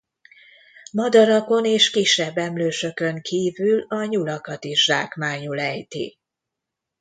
Madarakon és kisebb emlősökön kívül a nyulakat is zsákmányul ejti.